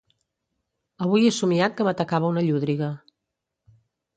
Avui he somiat que m'atacava una llúdriga.